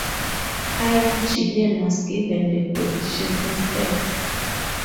Ian Gillan was given the position instead.